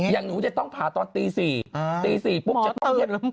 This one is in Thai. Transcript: อย่างหนูจะต้องพาตอน๔๐๐นปุ๊ปจะต้องเช็บ